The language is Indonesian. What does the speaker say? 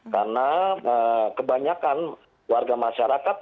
karena kebanyakan warga masyarakat